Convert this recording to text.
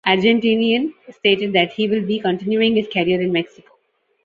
Argentinian stated that he will be continuing his career in Mexico.